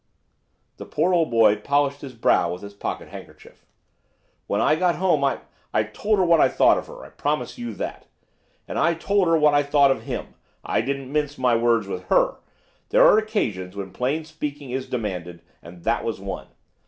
The poor old boy polished his brow with his pocket handkerchief. 'When I got home I I told her what I thought of her, I promise you that, and I told her what I thought of him, I didn't mince my words with her. There are occasions when plain speaking is demanded, and that was one.